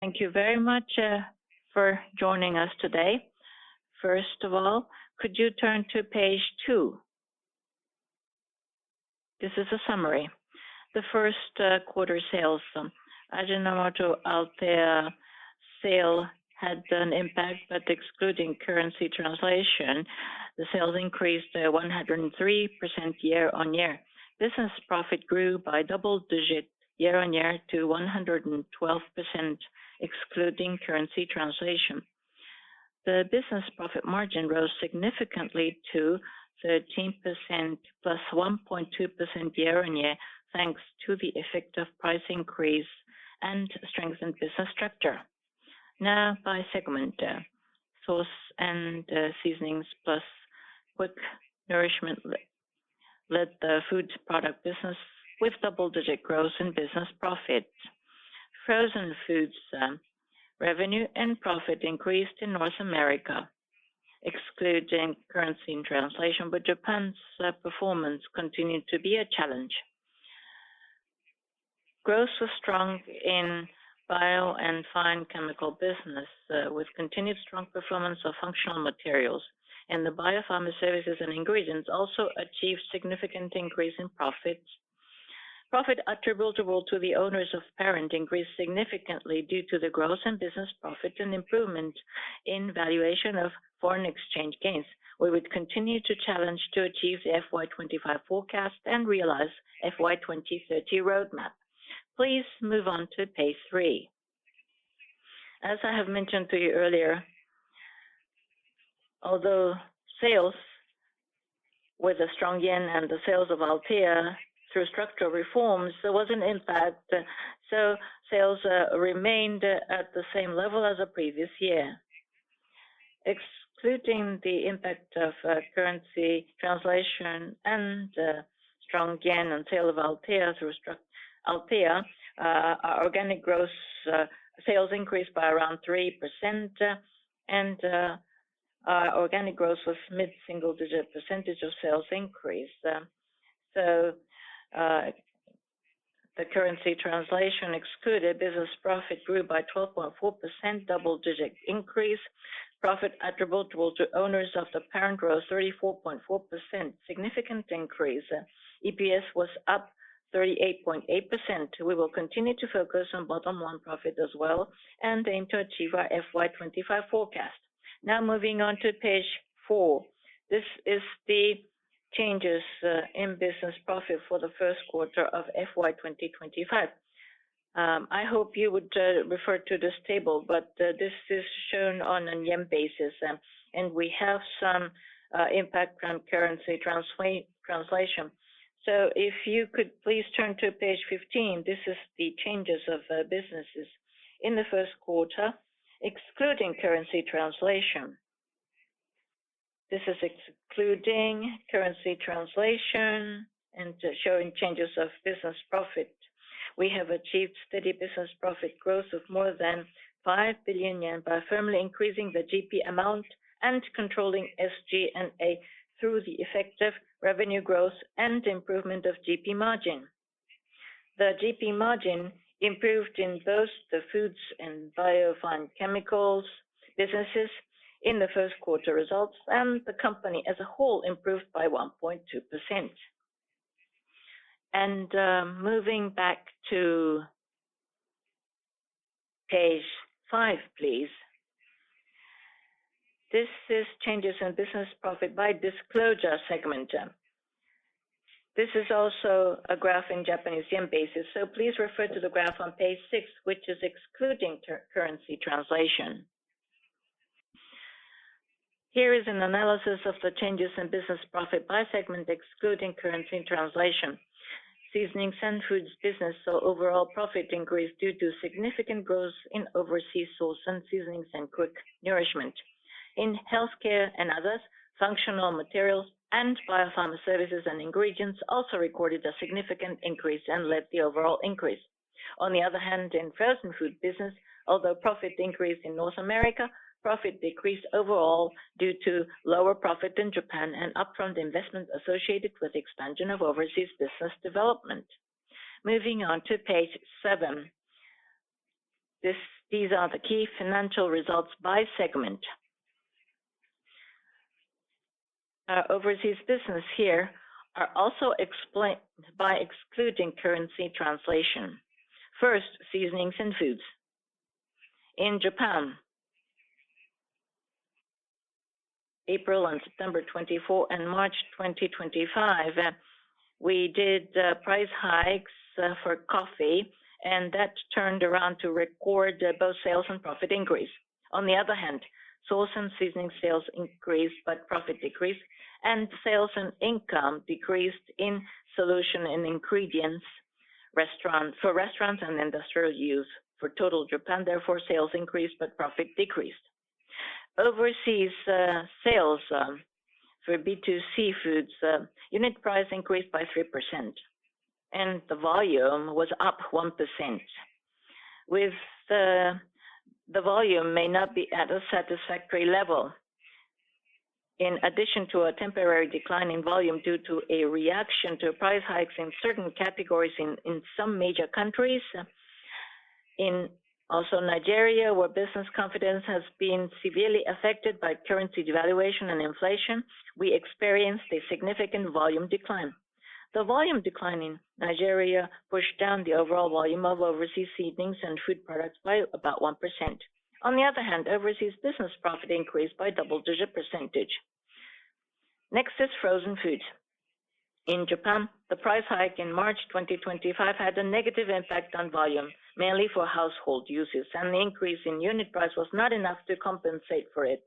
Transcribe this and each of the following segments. Thank you very much for joining us today. First of all, could you turn to page two? This is a summary. The first quarter's sales, Ajinomoto Co., Inc. out there sale had an impact, but excluding currency translation, the sales increased 103% year-on-year. Business profit grew by double digit year-on-year to 112%, excluding currency translation. The business profit margin rose significantly to 13%, +1.2% year-on-year, thanks to the effect of price increase and strengthened business structure. Now, by segment, sauce and seasonings plus quick nourishment led the food product business with double digit growth in business profit. Frozen foods revenue and profit increased in North America, excluding currency translation, but Japan's performance continued to be a challenge. Growth was strong in Bio & Fine Chemicals business, with continued strong performance of Functional Materials. The Bio-Pharma Services and ingredients also achieved significant increase in profits. Profit attributable to the owners of the parent increased significantly due to the growth in business profit and improvement in valuation of foreign exchange gains. We would continue to challenge to achieve the FY 2025 forecast and realize FY 2030 roadmap. Please move on to page three. As I have mentioned to you earlier, although sales with a strong yen and the sales of Althea through structural reforms, there was an impact. Sales remained at the same level as the previous year. Excluding the impact of currency translation and the strong yen and sale of Althea through structure, organic growth sales increased by around 3%, and organic growth was mid-single digit percentage of sales increased. The currency translation excluded business profit grew by 12.4%, double digit increase. Profit attributable to owners of the parent growth, 34.4%, significant increase. EPS was up 38.8%. We will continue to focus on bottom line profit as well and aim to achieve our FY 2025 forecast. Now, moving on to page four. This is the changes in business profit for the first quarter of FY 2025. I hope you would refer to this table, but this is shown on a yen basis, and we have some impact from currency translation. If you could please turn to page 15, this is the changes of businesses in the first quarter, excluding currency translation. This is excluding currency translation and showing changes of business profit. We have achieved steady business profit growth of more than 5 billion yen by firmly increasing the GP amount and controlling SG&A through the effect of revenue growth and improvement of GP margin. The GP margin improved in both the foods and biofine chemicals businesses in the first quarter results, and the company as a whole improved by 1.2%. Moving back to page five, please. This is changes in business profit by disclosure segment. This is also a graph in Japanese yen basis, so please refer to the graph on page six, which is excluding currency translation. Here is an analysis of the changes in business profit by segment, excluding currency translation. Seasonings and foods business saw overall profit increase due to significant growth in overseas sauce and seasonings and quick nourishment. In healthcare and others, Functional Materials and Bio-Pharma Services and ingredients also recorded a significant increase and led the overall increase. On the other hand, in frozen food business, although profit increased in North America, profit decreased overall due to lower profit in Japan and upfront investment associated with the expansion of overseas business development. Moving on to page seven. These are the key financial results by segment. Overseas business here are also explained by excluding currency translation. First, seasonings and foods. In Japan, April on September 24th and March 2025, we did price hikes for coffee, and that turned around to record both sales and profit increase. On the other hand, sauce and seasoning sales increased, but profit decreased, and sales and income decreased in solution and ingredients for restaurants and industrial use for total Japan. Therefore, sales increased, but profit decreased. Overseas sales for B2C foods, unit price increased by 3%, and the volume was up 1%. With the volume may not be at a satisfactory level, in addition to a temporary decline in volume due to a reaction to price hikes in certain categories in some major countries, in also Nigeria, where business confidence has been severely affected by currency devaluation and inflation, we experienced a significant volume decline. The volume decline in Nigeria pushed down the overall volume of overseas seasonings and food products by about 1%. On the other hand, overseas business profit increased by double digit percentage. Next is frozen foods. In Japan, the price hike in March 2025 had a negative impact on volume, mainly for household uses, and the increase in unit price was not enough to compensate for it,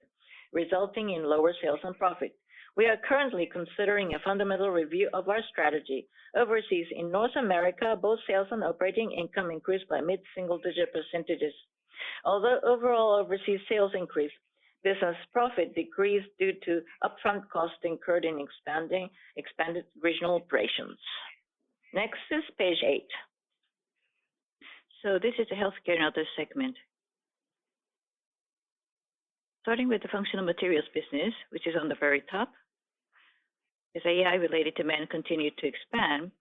resulting in lower sales and profit. We are currently considering a fundamental review of our strategy. Overseas in North America, both sales and operating income increased by mid-single digit percentages. Although overall overseas sales increased, business profit decreased due to upfront costs incurred in expanding expanded regional operations. Next is page eight. This is a healthcare and other segment. Starting with the Functional Materials business, which is on the very top, as AI-related demand continued to expand,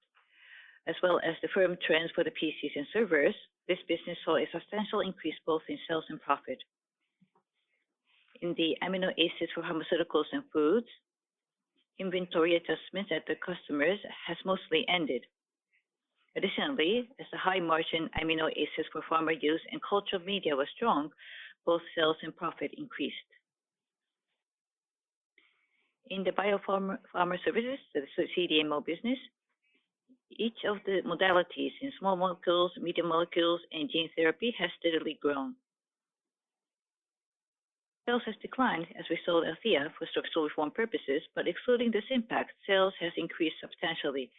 as well as the firm trends for the PCs and servers, this business saw a substantial increase both in sales and profit. In the amino acids for pharmaceuticals and foods, inventory adjustment at the customers has mostly ended. Additionally, as the high margin amino acids for farmer use and cultural media was strong, both sales and profit increased. In the Bio-Pharma Services, the CDMO business, each of the modalities in small molecules, medium molecules, and gene therapy has steadily grown. Sales has declined as we saw Althea for structural reform purposes, but excluding this impact, sales has increased substantially.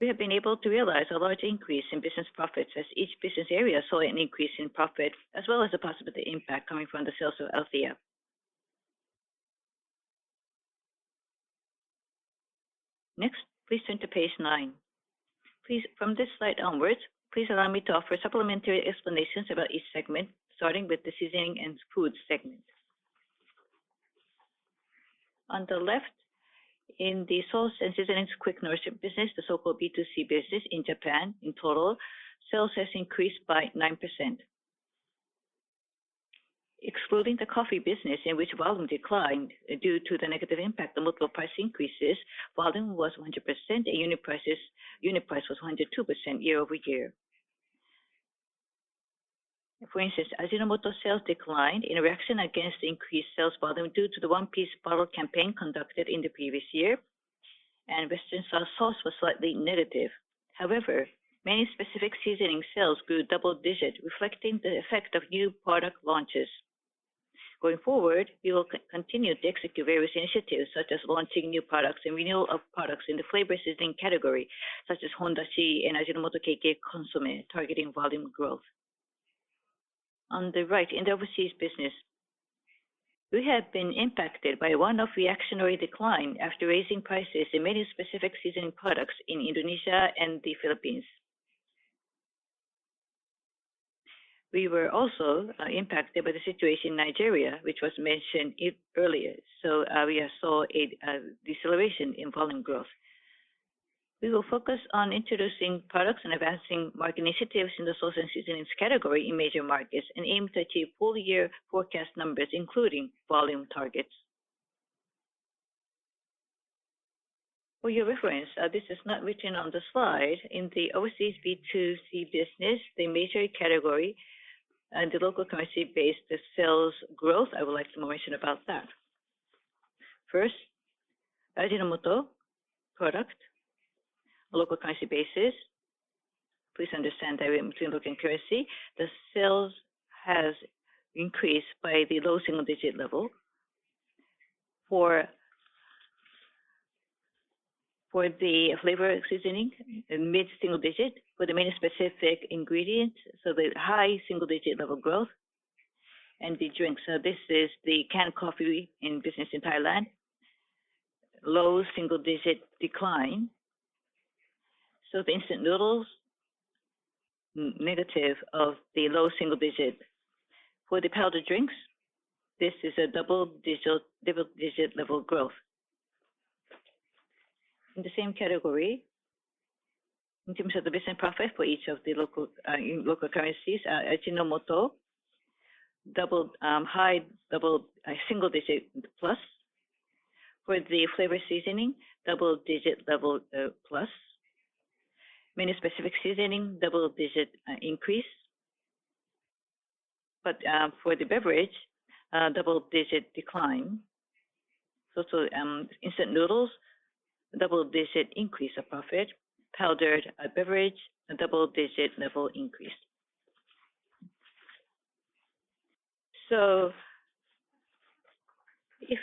We have been able to realize a large increase in business profits as each business area saw an increase in profit, as well as a possible impact coming from the sales of Althea. Next, please turn to page nine. From this slide onwards, please allow me to offer supplementary explanations about each segment, starting with the seasoning and foods segment. On the left, in the sauce and seasonings quick nourishment business, the so-called B2C business in Japan, in total, sales have increased by 9%. Excluding the coffee business, in which volume declined due to the negative impact of multiple price increases, volume was 100% and unit price was 102% year-over-year. For instance, Ajinomoto sales declined in a reaction against the increased sales volume due to the one-piece bottle campaign conducted in the previous year, and Western-style sauce was slightly negative. However, many specific seasoning sales grew double digit, reflecting the effect of new product launches. Going forward, we will continue to execute various initiatives, such as launching new products and renewal of products in the flavor seasoning category, such as HONDASHI and Ajinomoto K.K. Consommé, targeting volume growth. On the right, in the overseas business, we have been impacted by one-off reactionary decline after raising prices in many specific seasoning products in Indonesia and the Philippines. We were also impacted by the situation in Nigeria, which was mentioned earlier. We saw a deceleration in volume growth. We will focus on introducing products and advancing market initiatives in the sauce and seasonings category in major markets and aim to achieve full-year forecast numbers, including volume targets. For your reference, this is not written on the slide. In the overseas B2C business, the major category, the local currency-based sales growth, I would like to mention about that. First, Ajinomoto product, local currency basis. Please understand that we are in the pre-working currency. The sales have increased by the low single-digit level. For the flavor seasoning, mid-single digit for the many specific ingredients, so the high single-digit level growth. The drinks, this is the canned coffee business in Thailand. Low single-digit decline. The instant noodles, negative of the low single-digit. For the powder drinks, this is a double-digit level growth. In the same category, in terms of the business profit for each of the local currencies, Ajinomoto, high double single-digit plus. For the flavor seasoning, double-digit level plus. Many specific seasoning, double-digit increase. For the beverage, double-digit decline. The instant noodles, double-digit increase of profit. Powdered beverage, double-digit level increase. If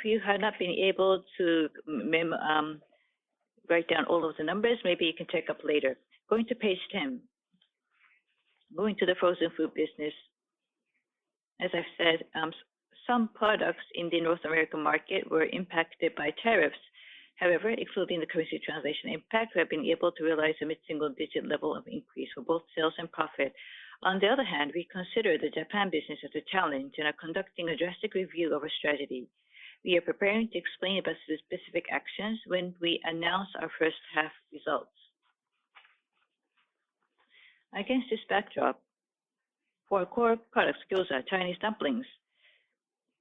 you have not been able to write down all of the numbers, maybe you can check up later. Going to page 10. Going to the frozen food business. As I've said, some products in the North American market were impacted by tariffs. However, excluding the currency translation impact, we have been able to realize a mid-single-digit level of increase for both sales and profit. On the other hand, we consider the Japan business as a challenge and are conducting a drastic review of our strategy. We are preparing to explain about specific actions when we announce our first half results. Against this backdrop, for our core product skills are Chinese dumplings.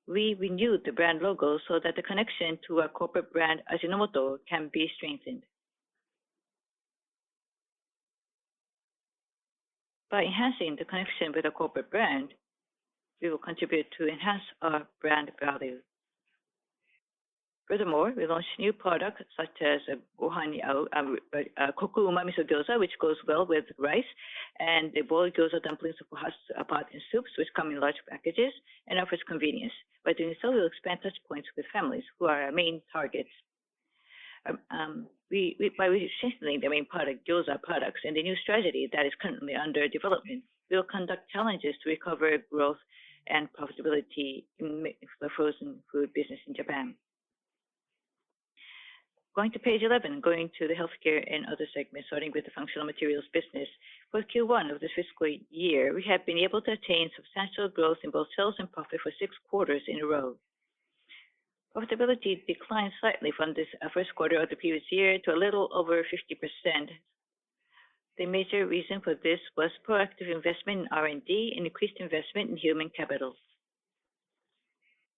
We renewed the brand logo so that the connection to our corporate brand, Ajinomoto, can be strengthened. By enhancing the connection with our corporate brand, we will contribute to enhance our brand value. Furthermore, we launched new products such as Kokuma miso gyoza, which goes well with rice, and the boiled gyoza dumplings for hot pot and soups, which come in large packages and offer convenience. By doing so, we will expand touchpoints with families, who are our main targets. By strengthening the main product, gyoza products, and the new strategy that is currently under development, we will conduct challenges to recover growth and profitability in the frozen food business in Japan. Going to page 11, going to the healthcare and other segments, starting with the Functional Materials business. For Q1 of this fiscal year, we have been able to attain substantial growth in both sales and profit for six quarters in a row. Profitability declined slightly from this first quarter of the previous year to a little over 50%. The major reason for this was proactive investment in R&D and increased investment in human capital.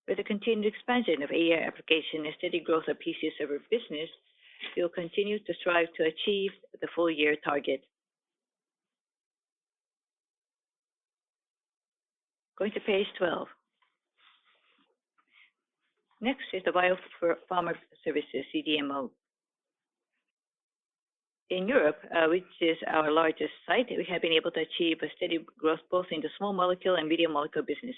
With the continued expansion of AI application and steady growth of PC server business, we will continue to strive to achieve the full-year target. Going to page 12. Next is the Bio-Pharma Services, CDMO. In Europe, which is our largest site, we have been able to achieve a steady growth both in the small molecule and medium molecule business.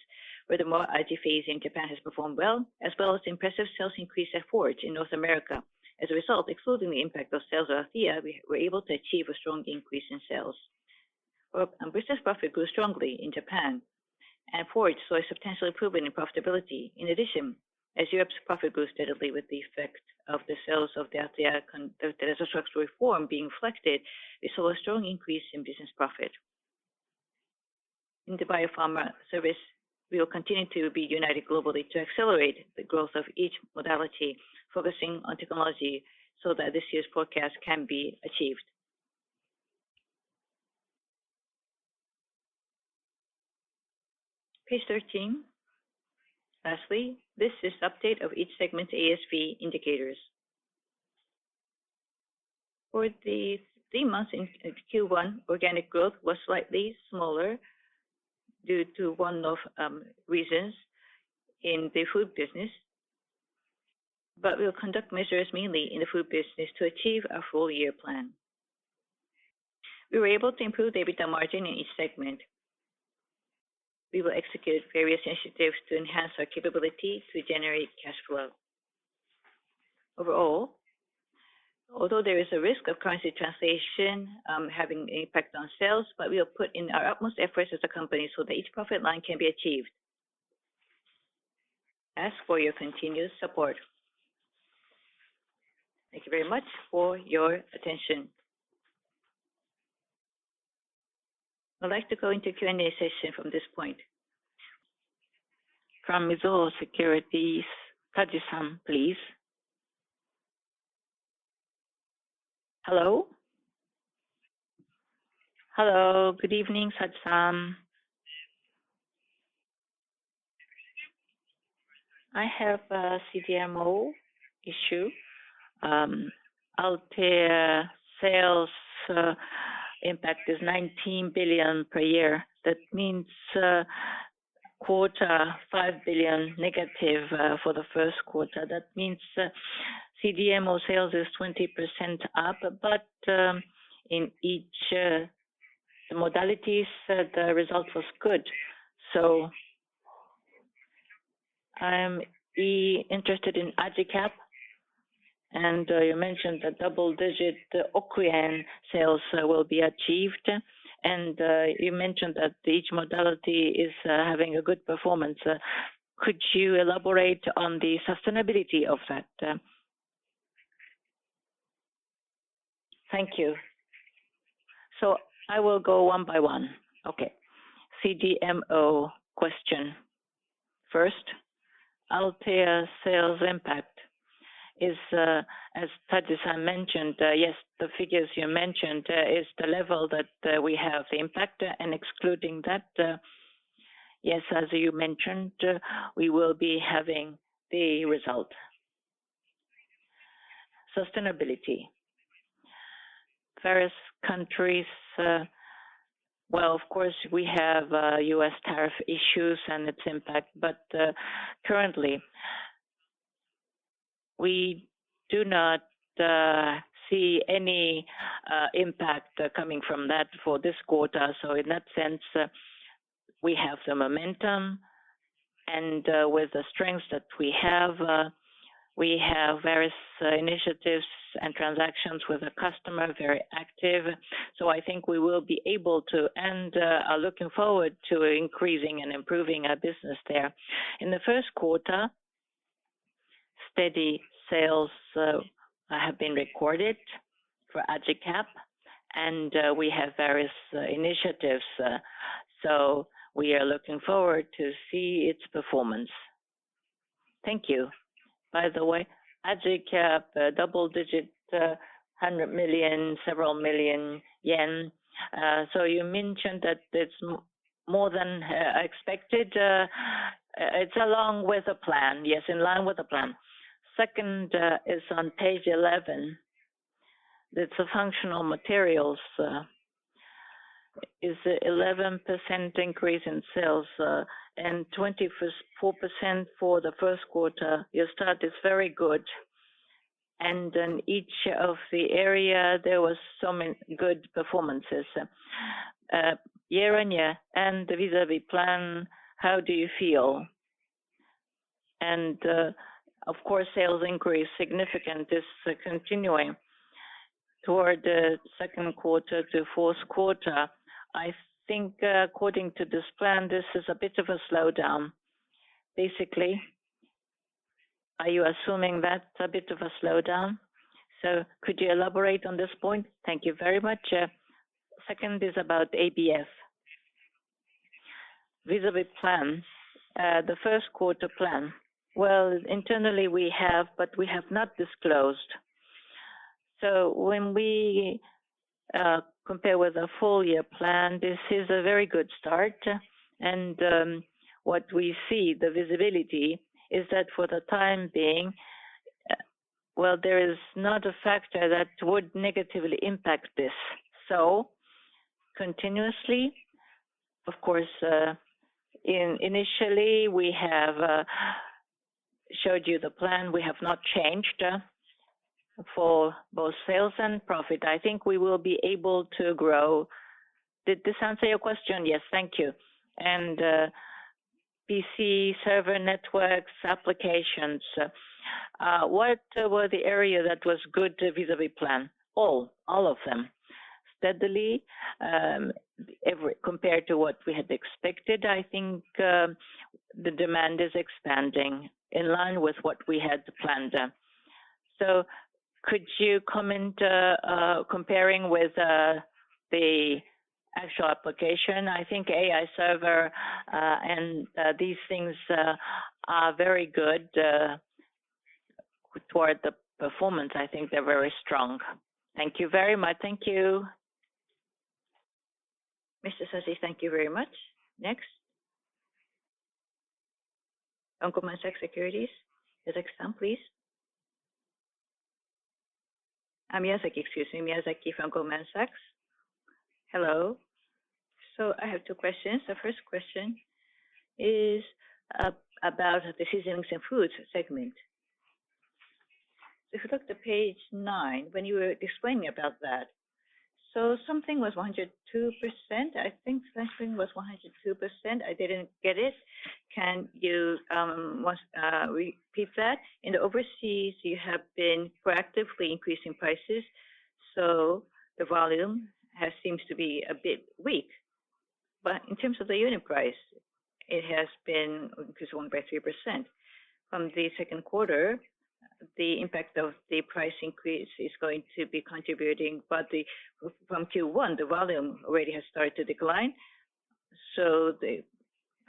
Furthermore, AJIPHASE in Japan has performed well, as well as the impressive sales increase at Forge in North America. As a result, excluding the impact of sales of Althea, we were able to achieve a strong increase in sales. Our business profit grew strongly in Japan, and Forge saw a substantial improvement in profitability. In addition, as Europe's profit grew steadily with the effect of the sales of the Althea structural reform being reflected, we saw a strong increase in business profit. In the Bio-Pharma Service, we will continue to be united globally to accelerate the growth of each modality, focusing on technology so that this year's forecast can be achieved. Page 13. Lastly, this is the update of each segment's ASV indicators. For the three months in Q1, organic growth was slightly smaller due to one-off reasons in the food business, but we will conduct measures mainly in the food business to achieve our full-year plan. We were able to improve the EBITDA margin in each segment. We will execute various initiatives to enhance our capability to generate cash flow. Overall, although there is a risk of currency translation having an impact on sales, we will put in our utmost efforts as a company so that each profit line can be achieved. Ask for your continued support. Thank you very much for your attention. I'd like to go into Q&A session from this point. From Mizuho Securities, Saji-san, please. Hello. Good evening, Kaji-san. I have a CDMO issue. Althea sales impact is 19 billion per year. That means quarter 5 billion negative for the first quarter. That means CDMO sales is 20% up, but in each modality, the result was good. I'm interested in AJICAP, and you mentioned that double-digit Okuyan sales will be achieved, and you mentioned that each modality is having a good performance. Could you elaborate on the sustainability of that? Thank you. I will go one by one. CDMO question. First, Althea sales impact is, as Saji-san mentioned, yes, the figures you mentioned is the level that we have the impact, and excluding that, yes, as you mentioned, we will be having the result. Sustainability. Various countries, of course, we have U.S. tariff issues and its impact, but currently, we do not see any impact coming from that for this quarter. In that sense, we have the momentum, and with the strengths that we have, we have various initiatives and transactions with the customer, very active. I think we will be able to, and are looking forward to increasing and improving our business there. In the first quarter, steady sales have been recorded for AJICAP, and we have various initiatives. We are looking forward to see its performance. Thank you. By the way, AJICAP double digit, 100 million, several million yen. You mentioned that it's more than expected. It's along with the plan, yes, in line with the plan. Second is on page 11. It's a Functional Materials. It's an 11% increase in sales and 24% for the first quarter. Your start is very good. In each of the areas, there were some good performances. Year-on-year, and vis-à-vis plan, how do you feel? Of course, sales increase significant. This is continuing toward the second quarter to fourth quarter. I think according to this plan, this is a bit of a slowdown. Basically, are you assuming that's a bit of a slowdown? Could you elaborate on this point? Thank you very much. Second is about ABF. Vis-à-vis plan, the first quarter plan. Internally, we have, but we have not disclosed. When we compare with a full-year plan, this is a very good start. What we see, the visibility, is that for the time being, there is not a factor that would negatively impact this. Continuously, initially, we have showed you the plan. We have not changed for both sales and profit. I think we will be able to grow. Did this answer your question? Yes, thank you. PC server networks, applications. What were the areas that were good vis-à-vis plan? All, all of them. Steadily, compared to what we had expected, I think the demand is expanding in line with what we had planned. Could you comment comparing with the actual application? I think AI server and these things are very good toward the performance. I think they're very strong. Thank you very much. Thank you. Thank you very much. Next, Franco-Mansax Securities. Miyazaki-san, please. Miyazaki, excuse me. Miyazaki, from Goldman Sachs. Hello. I have two questions. The first question is about the seasonings and foods segment. If you look at page nine, when you were explaining about that, something was 102%. I think something was 102%. I didn't get it. Can you repeat that? In the overseas, you have been proactively increasing prices, so the volume seems to be a bit weak. In terms of the unit price, it has been increased 1.3%. From the second quarter, the impact of the price increase is going to be contributing, but from Q1, the volume already has started to decline.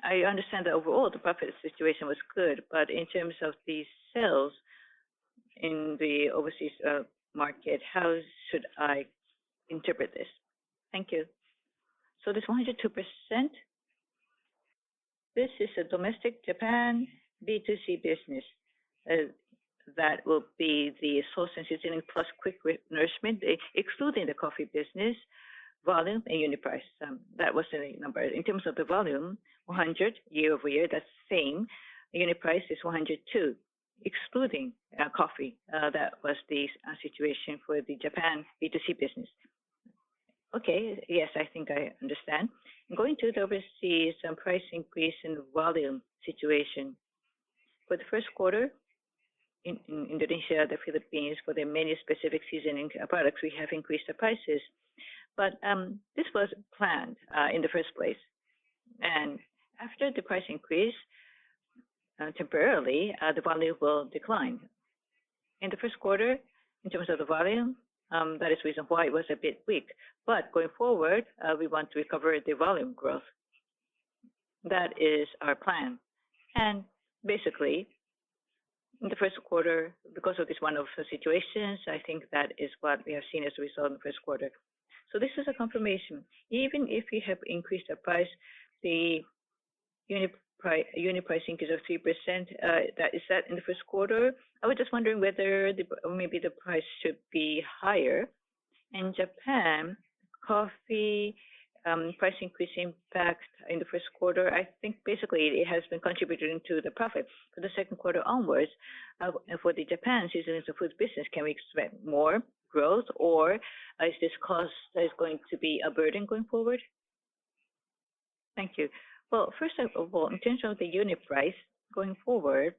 I understand that overall the profit situation was good, but in terms of the sales in the overseas market, how should I interpret this? Thank you. This 102%, this is a domestic Japan B2C business. That will be the sauce and seasoning plus quick nourishment, excluding the coffee business, volume, and unit price. That was the number. In terms of the volume, 100 year-over-year, that's the same. Unit price is 102, excluding coffee. That was the situation for the Japan B2C business. Okay, yes, I think I understand. I'm going to the overseas price increase and volume situation. For the first quarter, in Indonesia, the Philippines, for the many specific seasoning products, we have increased the prices. This was planned in the first place. After the price increase temporarily, the volume will decline. In the first quarter, in terms of the volume, that is the reason why it was a bit weak. Going forward, we want to recover the volume growth. That is our plan. In the first quarter, because of this one-off situation, I think that is what we have seen as a result in the first quarter. This is a confirmation. Even if we have increased our price, the unit price increase of 3%, that is set in the first quarter. I was just wondering whether maybe the price should be higher. In Japan, coffee price increase impacts in the first quarter. I think basically it has been contributing to the profit for the second quarter onwards. For the Japan seasonings and food business, can we expect more growth, or is this cost going to be a burden going forward? Thank you. First of all, in terms of the unit price going forward,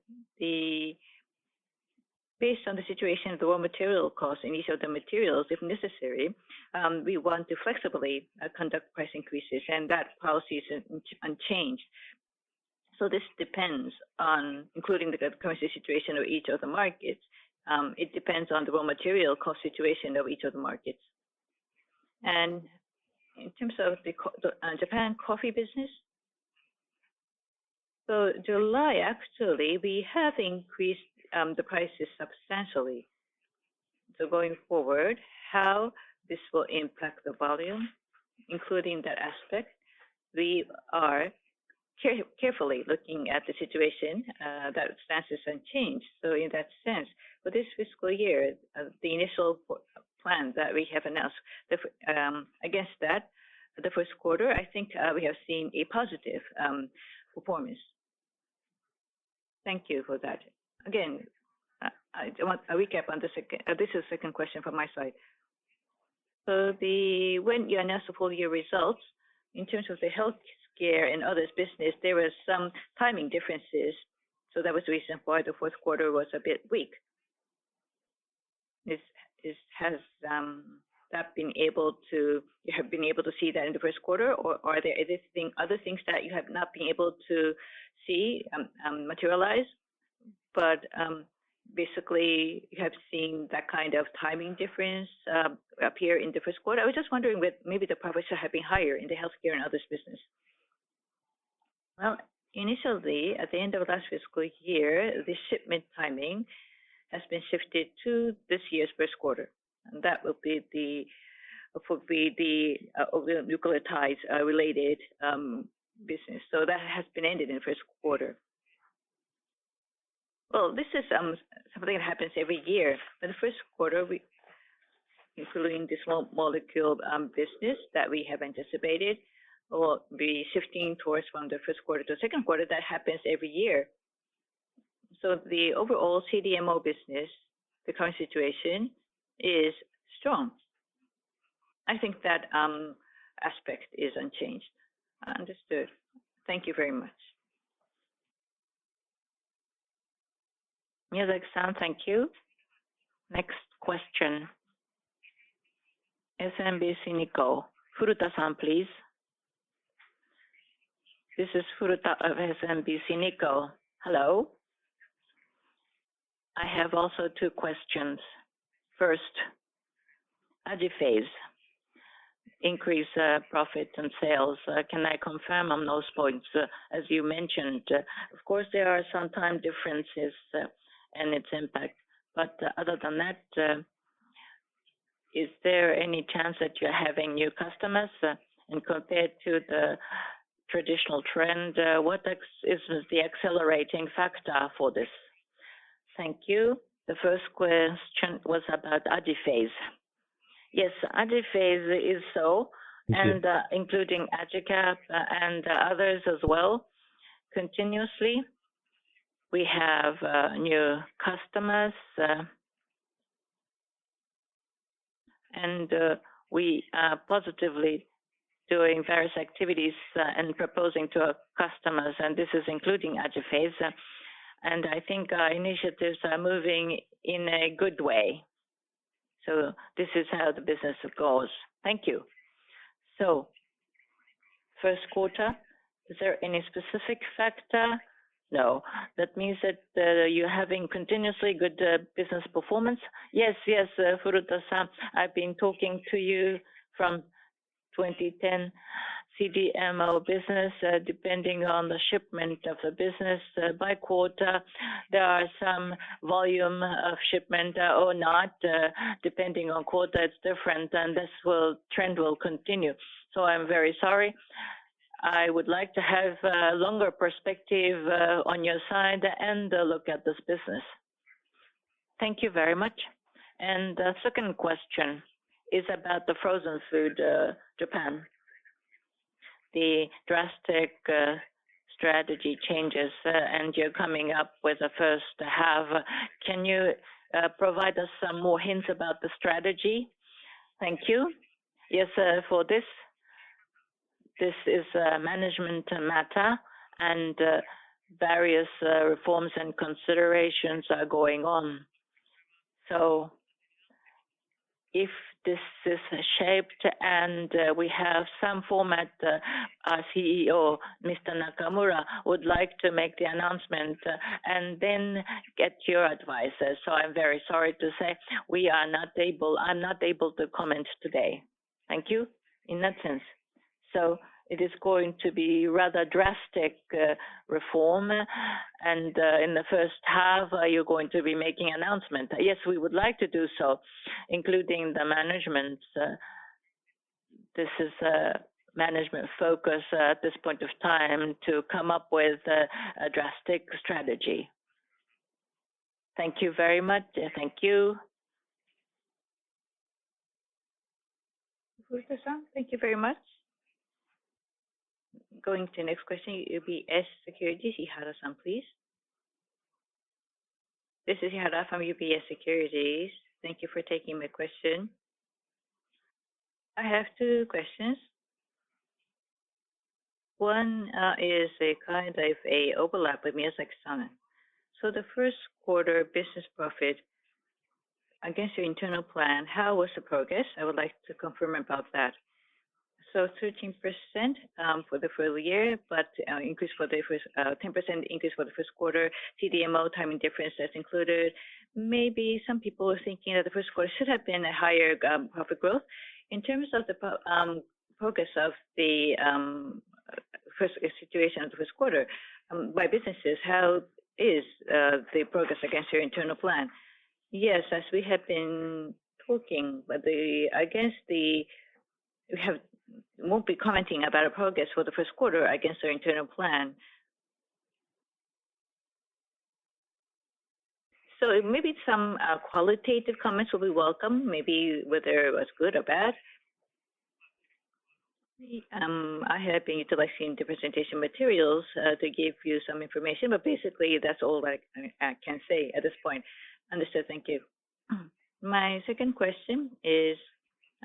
based on the situation of the raw material costs in each of the materials, if necessary, we want to flexibly conduct price increases, and that policy is unchanged. This depends on including the currency situation of each of the markets. It depends on the raw material cost situation of each of the markets. In terms of the Japan coffee business? In July, actually, we have increased the prices substantially. Going forward, how this will impact the volume, including that aspect? We are carefully looking at the situation that stands unchanged. In that sense, for this fiscal year, the initial plan that we have announced against that, the first quarter, I think we have seen a positive performance. Thank you for that. Again, I want a recap on the second. This is a second question from my side. When you announced the full-year results, in terms of the healthcare and other business, there were some timing differences. That was the reason why the fourth quarter was a bit weak. Has that been able to, you have been able to see that in the first quarter, or are there other things that you have not been able to see materialize? Basically, you have seen that kind of timing difference appear in the first quarter. I was just wondering whether maybe the profits have been higher in the healthcare and other business. Initially, at the end of last fiscal year, the shipment timing has been shifted to this year's first quarter. That would be the nucleotide-related business. That has been ended in the first quarter. This is something that happens every year. In the first quarter, including this small molecule business that we have anticipated, or be shifting towards from the first quarter to the second quarter, that happens every year. The overall CDMO business, the current situation is strong. I think that aspect is unchanged. Understood. Thank you very much. Miyazaki-san, thank you. Next question. SMBC Nikko Securities. Furuta-san, please. This is Furuta of SMBC Nikko. Hello, I have also two questions. First, AJIPHASE, increased profit and sales. Can I confirm on those points? As you mentioned, of course, there are sometimes differences and its impact. Other than that, is there any chance that you're having new customers? Compared to the traditional trend, what is the accelerating factor for this? Thank you. The first question was about AJIPHASE. Yes, AJIPHASE is so, and including AJICAP and others as well. Continuously, we have new customers, and we are positively doing various activities and proposing to our customers, and this is including AJIPHASE. I think our initiatives are moving in a good way. This is how the business goes. Thank you. First quarter, is there any specific factor? No. That means that you're having continuously good business performance? Yes, yes, Furuta-san, I've been talking to you from 2010. CDMO business, depending on the shipment of the business by quarter, there are some volume of shipment or not. Depending on quarter, it's different, and this trend will continue. I'm very sorry. I would like to have a longer perspective on your side and look at this business. Thank you very much. The second question is about the frozen food Japan. The drastic strategy changes, and you're coming up with a first half. Can you provide us some more hints about the strategy? Thank you. Yes, for this, this is a management matter, and various reforms and considerations are going on. If this is shaped, and we have some format, our CEO, Mr. Nakamura, would like to make the announcement and then get your advice. I'm very sorry to say we are not able, I'm not able to comment today. Thank you in that sense. It is going to be a rather drastic reform, and in the first half, you're going to be making an announcement. Yes, we would like to do so, including the management. This is a management focus at this point of time to come up with a drastic strategy. Thank you very much. Thank you. Furuta-san, thank you very much. Going to the next question, UBS Securities. Hirata-san, please. This is Hirata from UBS Securities. Thank you for taking my question. I have two questions. One is a kind of an overlap with Miyazaki-san. The first quarter business profit against your internal plan, how was the progress? I would like to confirm about that. 13% for the full year, but increase for the first 10% increase for the first quarter. CDMO timing difference that's included. Maybe some people are thinking that the first quarter should have been a higher profit growth. In terms of the progress of the first situation of the first quarter by businesses, how is the progress against your internal plan? Yes, as we have been talking, we won't be commenting about our progress for the first quarter against our internal plan. Maybe some qualitative comments will be welcome, maybe whether it was good or bad. I have been utilizing the presentation materials to give you some information, but basically, that's all I can say at this point. Understood. Thank you. My second question is,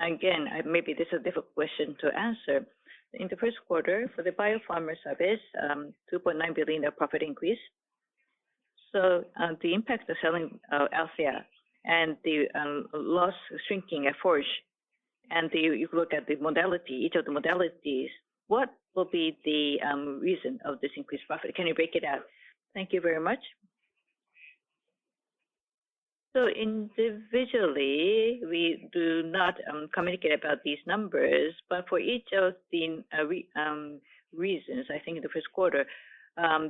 again, maybe this is a difficult question to answer. In the first quarter, for the Bio-Pharma Services, 2.9 billion profit increase. The impact of selling Althea and the loss shrinking at Forge, and you look at the modality, each of the modalities, what will be the reason of this increased profit? Can you break it out? Thank you very much. Individually, we do not communicate about these numbers, but for each of the reasons, I think in the first quarter,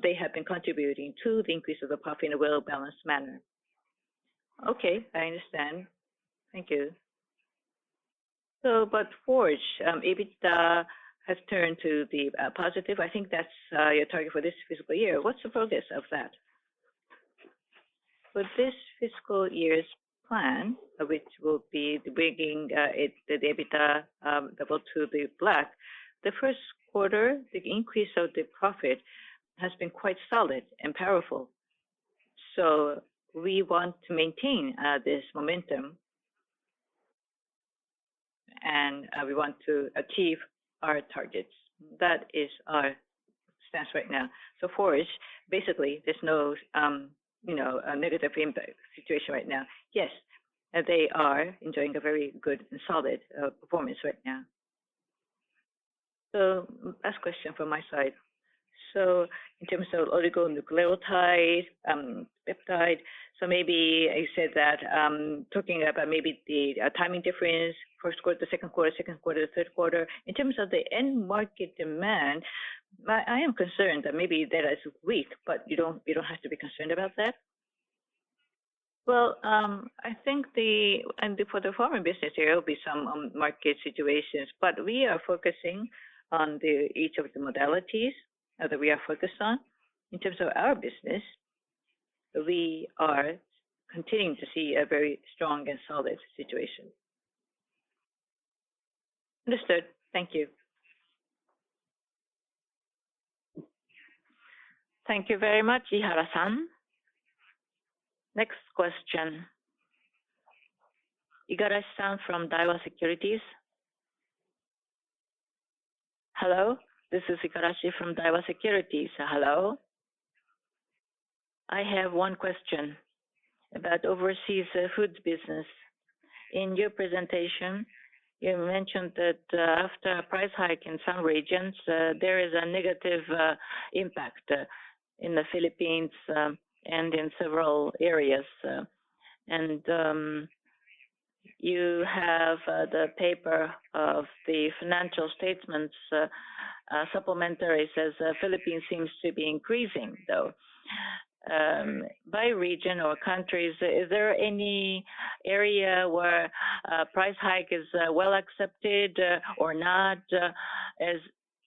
they have been contributing to the increase of the profit in a well-balanced manner. Okay, I understand. Thank you. Forge, EBITDA has turned to the positive. I think that's your target for this fiscal year. What's the progress of that? For this fiscal year's plan, which will be bringing the EBITDA level to the black, the first quarter, the increase of the profit has been quite solid and powerful. We want to maintain this momentum, and we want to achieve our targets. That is our stance right now. Forge, basically, there's no negative situation right now. Yes, they are enjoying a very good and solid performance right now. Last question from my side. In terms of oligonucleotides, peptide, maybe you said that talking about maybe the timing difference, first quarter, second quarter, second quarter, third quarter. In terms of the end market demand, I am concerned that maybe that is weak, but you don't have to be concerned about that. I think for the pharma business, there will be some market situations, but we are focusing on each of the modalities that we are focused on. In terms of our business, we are continuing to see a very strong and solid situation. Understood. Thank you. Thank you very much, Hirata-san. Next question. Igarashi-san from Daiwa Securities. Hello. This is Igarashi from Daiwa Securities. Hello. I have one question about overseas foods business. In your presentation, you mentioned that after a price hike in some regions, there is a negative impact in the Philippines and in several areas. You have the paper of the financial statements supplementary that says the Philippines seems to be increasing, though. By region or countries, is there any area where a price hike is well accepted or not?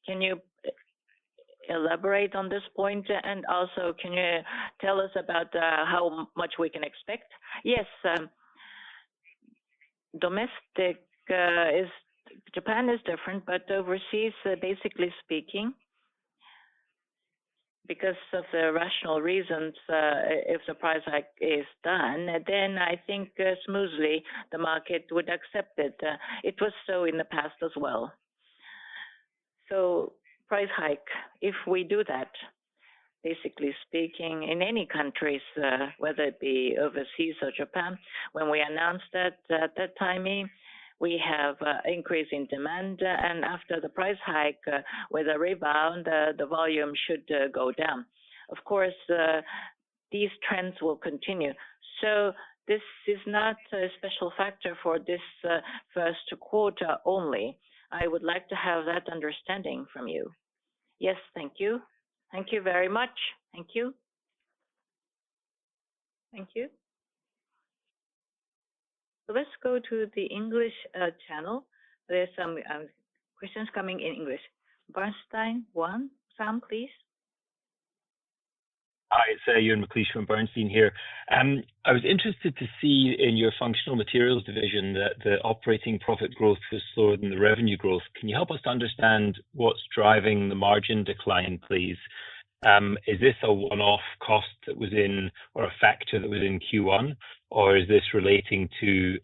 Can you elaborate on this point? Also, can you tell us about how much we can expect? Yes. Domestic, Japan is different, but overseas, basically speaking, because of the rational reasons, if the price hike is done, then I think smoothly the market would accept it. It was so in the past as well. Price hike, if we do that, basically speaking, in any countries, whether it be overseas or Japan, when we announce that timing, we have increasing demand. After the price hike, with a rebound, the volume should go down. Of course, these trends will continue. This is not a special factor for this first quarter only. I would like to have that understanding from you. Yes, thank you. Thank you very much. Thank you. Thank you. Let's go to the English channel. There are some questions coming in English. Bernstein, Euan McLeish, please. Hi, I'm Euan McLeish from Bernstein here. I was interested to see in your Functional Materials division that the operating profit growth was slower than the revenue growth. Can you help us to understand what's driving the margin decline, please? Is this a one-off cost that was in or a factor that was in Q1, or is this relating to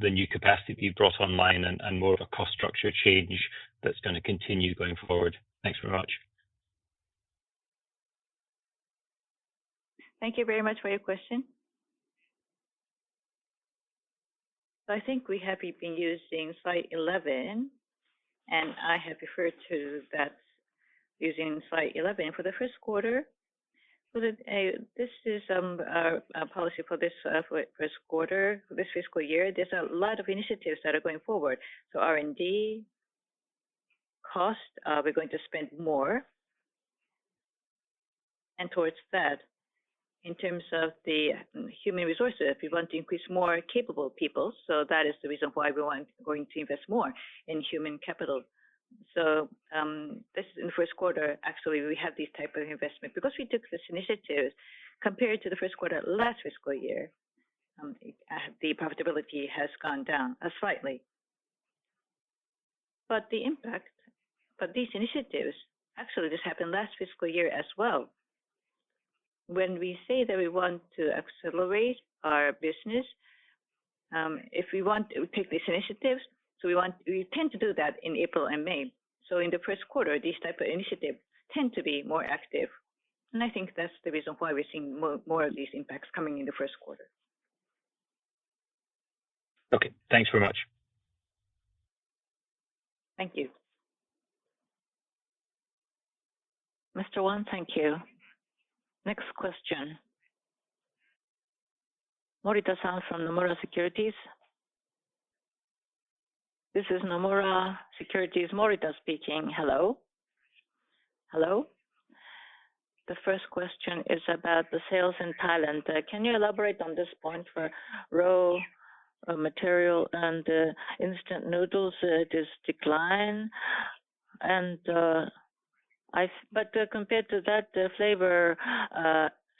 the new capacity that you brought online and more of a cost structure change that's going to continue going forward? Thanks very much. Thank you very much for your question. I think we have been using slide 11, and I have referred to that using slide 11 for the first quarter. This is our policy for this first quarter, for this fiscal year. There are a lot of initiatives that are going forward. R&D cost, we're going to spend more. Towards that, in terms of the human resources, we want to increase more capable people. That is the reason why we're going to invest more in human capital. This is in the first quarter. Actually, we have these types of investments because we took these initiatives. Compared to the first quarter last fiscal year, the profitability has gone down slightly. The impact, these initiatives, actually, this happened last fiscal year as well. When we say that we want to accelerate our business, if we want to take these initiatives, we tend to do that in April and May. In the first quarter, these types of initiatives tend to be more active. I think that's the reason why we're seeing more of these impacts coming in the first quarter. Okay, thanks very much. Thank you. Mr. Euan, thank you. Next question. Morita-san from Nomura Securities. This is Nomura Securities, Morita speaking. Hello? Hello? The first question is about the sales in Thailand. Can you elaborate on this point for raw material and instant noodles? This decline. Compared to that, the flavor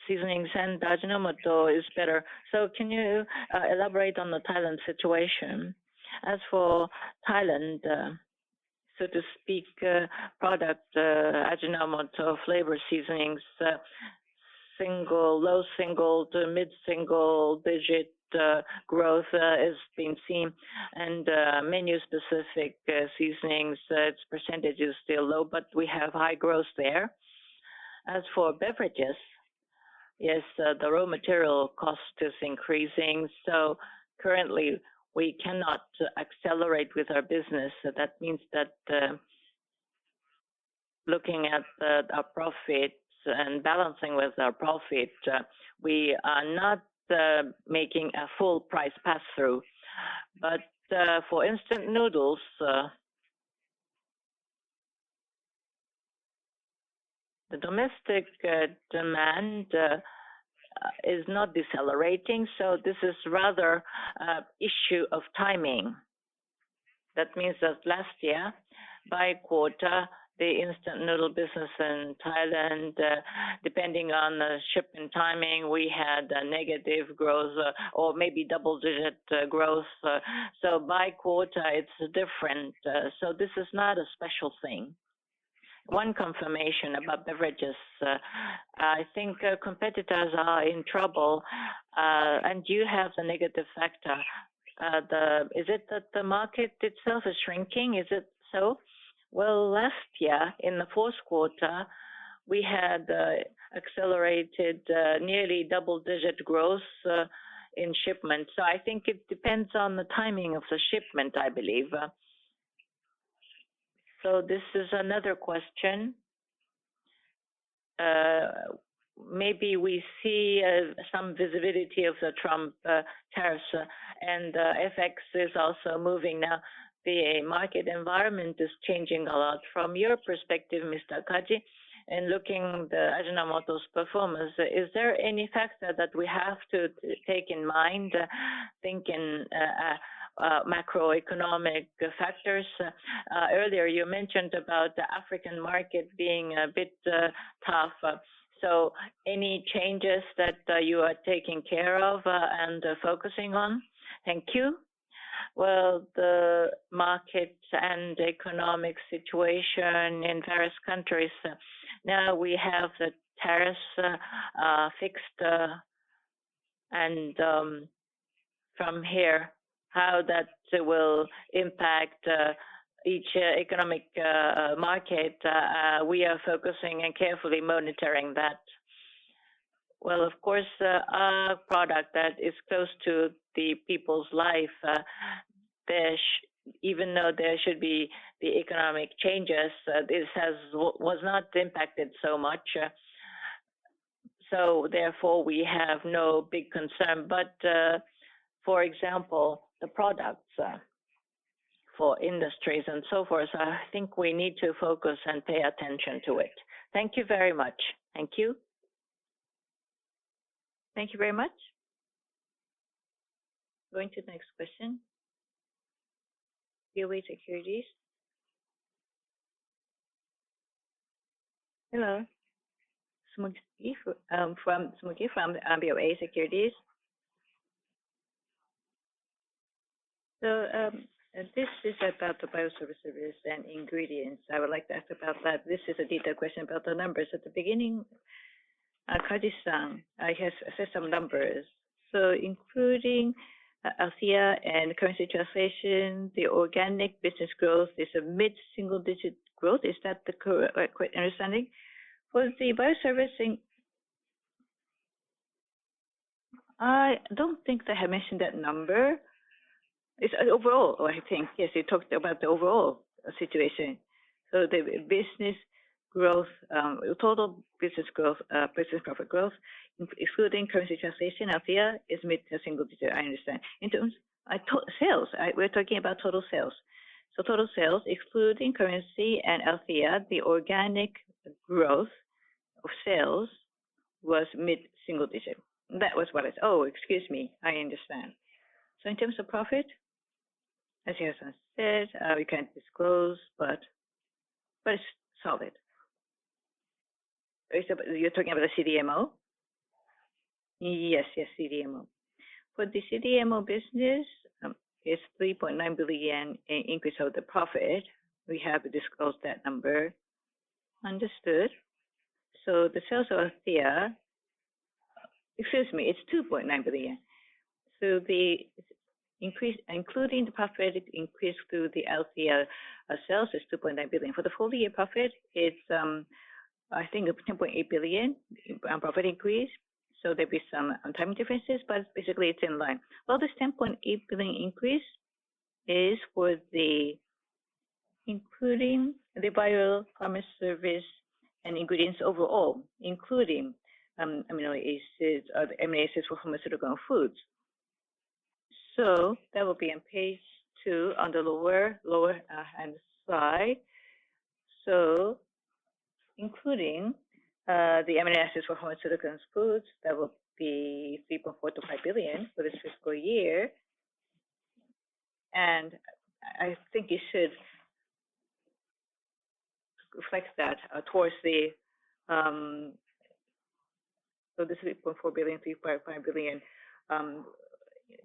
seasonings and Ajinomoto is better. Can you elaborate on the Thailand situation? As for Thailand, so to speak, product Ajinomoto flavor seasonings, single low single to mid-single digit growth is being seen. Menu-specific seasonings, its percentage is still low, but we have high growth there. As for beverages, the raw material cost is increasing. Currently, we cannot accelerate with our business. That means that looking at our profits and balancing with our profit, we are not making a full price pass-through. For instant noodles, the domestic demand is not decelerating. This is rather an issue of timing. That means that last year, by quarter, the instant noodle business in Thailand, depending on the shipment timing, we had a negative growth or maybe double-digit growth. By quarter, it's different. This is not a special thing. One confirmation about beverages. I think competitors are in trouble, and you have the negative factor. Is it that the market itself is shrinking? Is it so? Last year, in the fourth quarter, we had accelerated nearly double-digit growth in shipment. I think it depends on the timing of the shipment, I believe. This is another question. Maybe we see some visibility of the Trump tariffs, and FX is also moving now. The market environment is changing a lot. From your perspective, Kaji-san, and looking at Ajinomoto's performance, is there any factor that we have to take in mind, thinking macroeconomic factors? Earlier, you mentioned about the African market being a bit tough. Any changes that you are taking care of and focusing on? Thank you. The market and economic situation in various countries. Now we have the tariffs fixed, and from here, how that will impact each economic market, we are focusing and carefully monitoring that. Of course, our product that is close to the people's life, even though there should be the economic changes, this was not impacted so much. Therefore, we have no big concern. For example, the products for industries and so forth, I think we need to focus and pay attention to it. Thank you very much. Thank you. Thank you very much. Going to the next question. BofA Securities. Hello. From BofA Securities. This is about the Bio-Pharma Services and ingredients. I would like to ask about that. This is a detailed question about the numbers. At the beginning, Kaji-san, you have said some numbers. Including Althea and currency translation, the organic business growth is a mid-single digit growth. Is that the correct understanding? For the Bio-Pharma Services, I don't think they have mentioned that number. It's overall, I think. Yes, you talked about the overall situation. The business growth, total business growth, business profit growth, including currency translation, Althea is mid-single digit, I understand. In terms of sales, we're talking about total sales. Total sales, including currency and Althea, the organic growth of sales was mid-single digit. That was what I said. Oh, excuse me, I understand. In terms of profit, as I said, we can't disclose, but it's solid. You're talking about the CDMO? Yes, yes, CDMO. For the CDMO business, it's 3.9 billion increase of the profit. We have disclosed that number. Understood. The sales of Althea, excuse me, it's 2.9 billion. The increase, including the profit increase through the Althea sales, is 2.9 billion. For the full-year profit, it's, I think, a 10.8 billion profit increase. There'll be some time differences, but basically, it's in line. This 10.8 billion increase is for the, including the Bio-Pharma Services and ingredients overall, including MA assist for pharmaceutical and foods. That will be in page two on the lower-hand slide. Including the MA assist for pharmaceutical and foods, that will be 3.4 billion-5 billion for this fiscal year. I think it should reflect that towards the, so this 3.4 billion-3.5 billion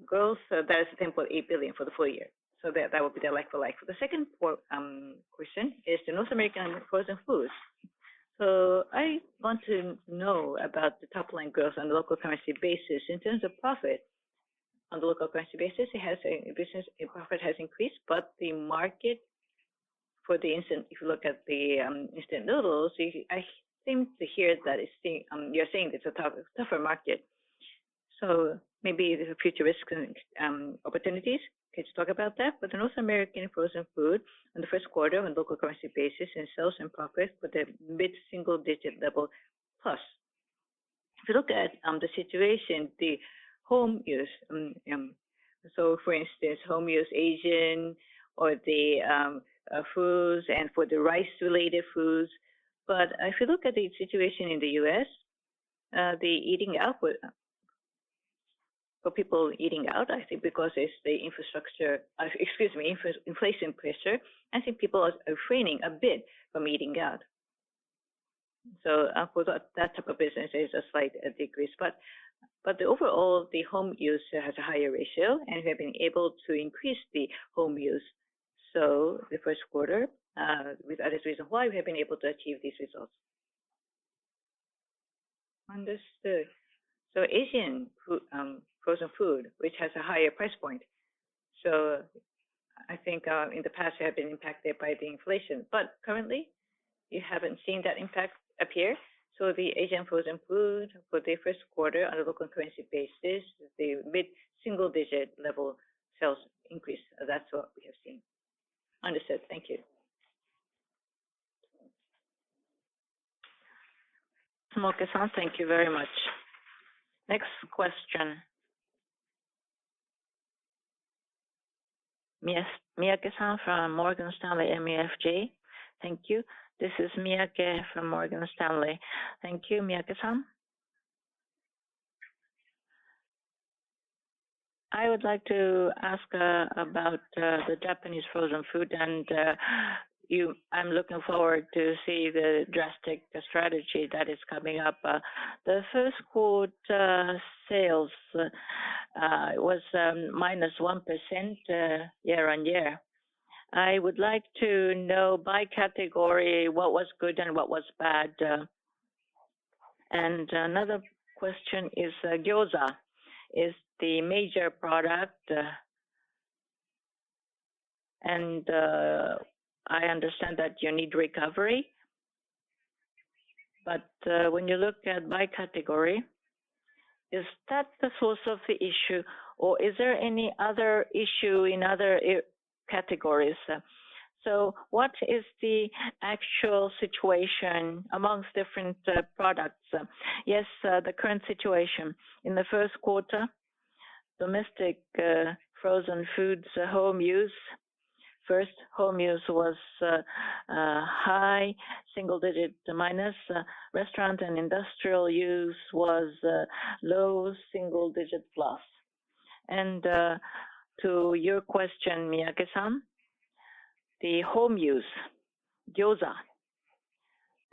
growth. That is 10.8 billion for the full year. That will be the like, the like. The second question is the North American frozen foods. I want to know about the top line growth on the local currency basis. In terms of profit on the local currency basis, it has increased. The market for the instant, if you look at the instant noodles, I think to hear that you're saying it's a tougher market. Maybe the futuristic opportunities, can you talk about that? For the North American frozen food, in the first quarter, on the local currency basis, in sales and profit for the mid-single digit level plus. If you look at the situation, the home use, so for instance, home use Asian or the foods and for the rice-related foods. If you look at the situation in the U.S., the eating out, for people eating out, I think because it's the infrastructure, excuse me, inflation pressure, I think people are refraining a bit from eating out. For that type of business, there's a slight decrease. Overall, the home use has a higher ratio, and we have been able to increase the home use. The first quarter, with other reasons why we have been able to achieve these results. Understood. Asian frozen food, which has a higher price point. I think in the past, we have been impacted by the inflation. Currently, you haven't seen that impact appear. The Asian frozen food for the first quarter, on a local currency basis, the mid-single digit level sales increase. That's what we have seen. Understood. Thank you. Samoukesan, thank you very much. Next question. Miyake-san from Morgan Stanley. Thank you. This is Miyake from Morgan Stanley. Thank you, Miyake-san. I would like to ask about the Japanese frozen food, and I'm looking forward to see the drastic strategy that is coming up. The first quarter sales was -1% year-on-year. I would like to know by category what was good and what was bad. Another question is gyoza. It's the major product, and I understand that you need recovery. When you look at by category, is that the source of the issue, or is there any other issue in other categories? What is the actual situation amongst different products? Yes, the current situation. In the first quarter, domestic frozen foods, home use, first home use was high, single digit minus. Restaurant and industrial use was low, single digit plus. To your question, Miyake, the home use, gyoza,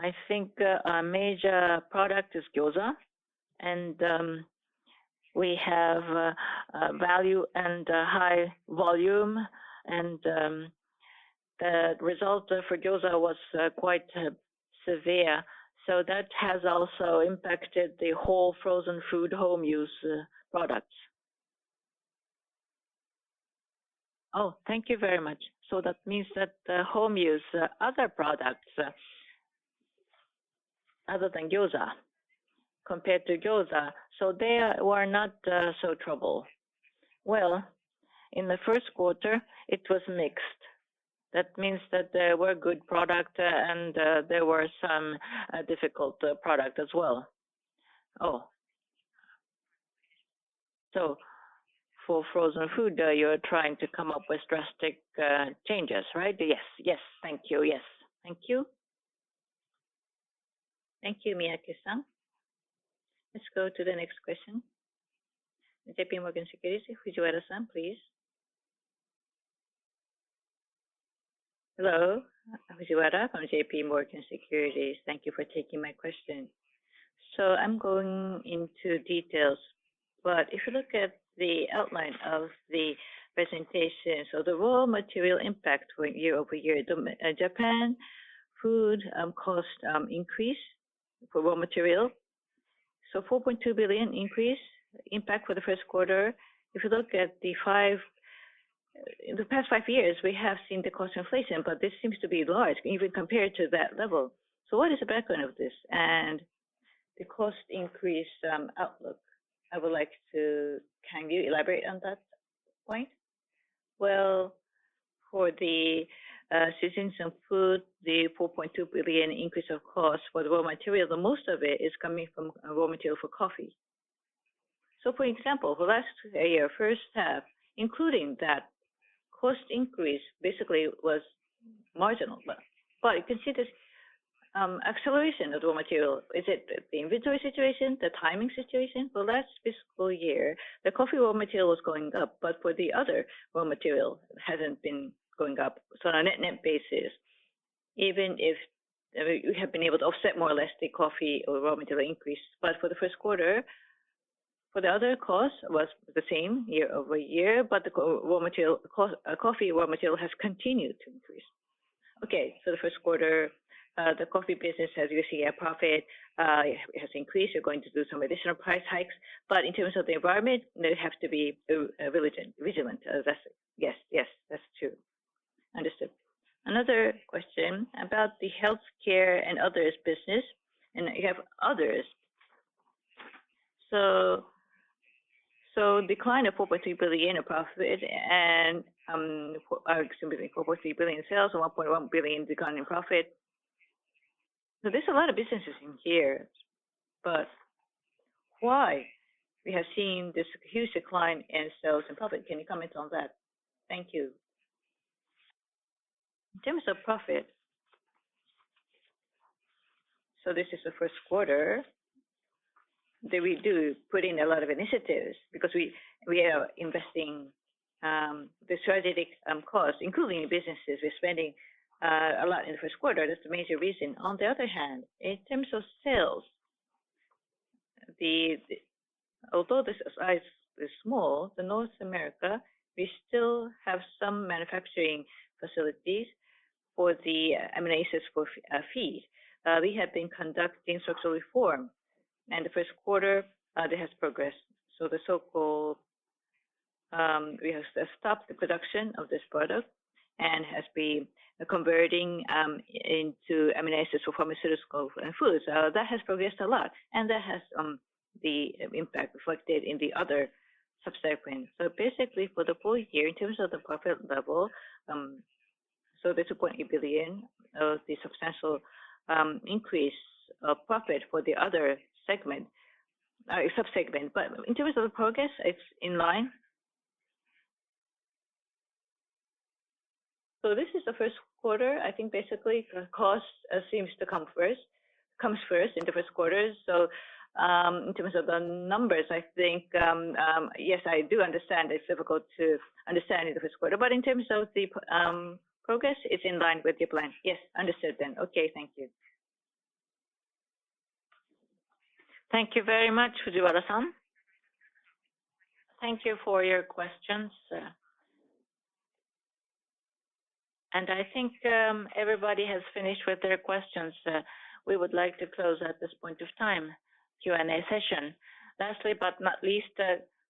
I think a major product is gyoza. We have value and high volume, and the result for gyoza was quite severe. That has also impacted the whole frozen food home use products. Oh, thank you very much. That means that the home use, other products, other than gyoza, compared to gyoza, they were not so troubled. In the first quarter, it was mixed. That means that there were good products, and there were some difficult products as well. For frozen food, you're trying to come up with drastic changes, right? Yes, yes. Thank you, yes. Thank you. Thank you, Miyake-san. Let's go to the next question. JPMorgan Securities. Fujiwara-san, please. Hello. Fujiwara from JPMorgan Securities. Thank you for taking my question. I'm going into details, but if you look at the outline of the presentation, the raw material impact for year-over-year, the Japan food cost increase for raw material. 4.2 billion increase impact for the first quarter. If you look at the five, in the past five years, we have seen the cost inflation, but this seems to be large, even compared to that level. What is the background of this? The cost increase outlook, I would like to, can you elaborate on that point? For the seasoning and food, the 4.2 billion increase of cost for the raw material, most of it is coming from raw material for coffee. For example, for the last year, first half, including that cost increase, basically was marginal. You can see this acceleration of raw material. Is it the inventory situation, the timing situation? For the last fiscal year, the coffee raw material was going up, but for the other raw material, it hasn't been going up. On a net-net basis, even if we have been able to offset more or less the coffee or raw material increase, for the first quarter, for the other cost was the same year-over-year, but the raw material, coffee raw material has continued to increase. The first quarter, the coffee business has UCI profit, it has increased. We're going to do some additional price hikes, but in terms of the environment, they have to be vigilant. Yes, yes, that's true. Understood. Another question about the healthcare and others business, and you have others. Decline of 4.3 billion in profit and 4.3 billion sales and 1.1 billion decline in profit. There's a lot of businesses in here, but why? We have seen this huge decline in sales and profit. Can you comment on that? Thank you. In terms of profit, this is the first quarter. We do put in a lot of initiatives because we are investing the strategic cost, including businesses. We're spending a lot in the first quarter. That's the major reason. On the other hand, in terms of sales, although the size is small, in North America, we still have some manufacturing facilities for the M&A assist for feed. We have been conducting structural reform, and the first quarter, that has progressed. The so-called, we have stopped the production of this product and have been converting into M&A assist for pharmaceuticals and foods. That has progressed a lot, and that has the impact reflected in the other subsegment. Basically, for the full year, in terms of the profit level, there's a JPY 0.8 billion substantial increase of profit for the other subsegment. In terms of the progress, it's in line. This is the first quarter. I think basically the cost seems to come first, comes first in the first quarter. In terms of the numbers, I think, yes, I do understand it's difficult to understand in the first quarter, but in terms of the progress, it's in line with the plan. Yes, understood then. Okay, thank you. Thank you very much, Fujiwara-san. Thank you for your questions. I think everybody has finished with their questions. We would like to close at this point of time, Q&A session. Lastly, but not least,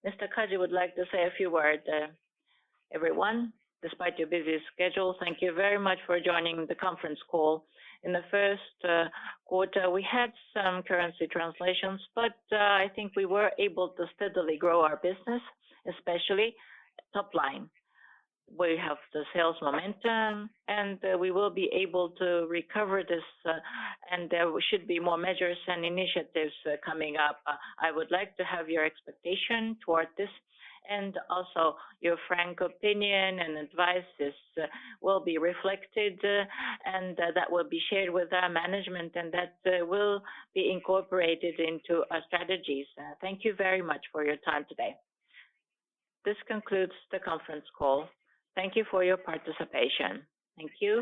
Mr. Kaji would like to say a few words. Everyone, despite your busy schedule, thank you very much for joining the conference call. In the first quarter, we had some currency translations, but I think we were able to steadily grow our business, especially top line, where you have the sales momentum, and we will be able to recover this, and there should be more measures and initiatives coming up. I would like to have your expectation toward this, and also your frank opinion and advice will be reflected, and that will be shared with our management, and that will be incorporated into our strategies. Thank you very much for your time today. This concludes the conference call. Thank you for your participation. Thank you.